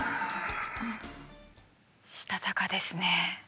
したたかですね。